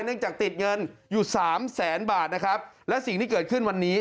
จากติดเงินอยู่สามแสนบาทนะครับและสิ่งที่เกิดขึ้นวันนี้